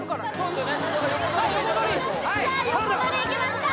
さあ横取りいきました